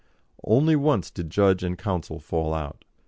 Only once did judge and counsel fall out.